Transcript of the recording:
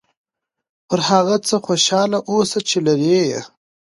پر هغه څه خوشحاله اوسه چې لرې یې.